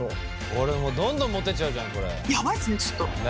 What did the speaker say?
これもうどんどんモテちゃうじゃんこれ。